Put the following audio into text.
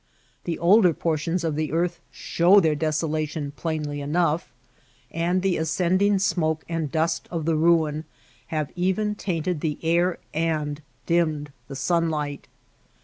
The older portions of the earth show their desolation plainly enough, and the ascending smoke and dust of the ruin have even tainted the air and dimmed the sunlight.